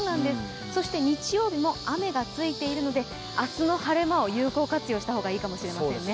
そして日曜日も雨がついているので明日の晴れ間を有効活用した方がいいかもしれませんね。